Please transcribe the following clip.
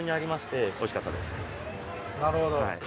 なるほど。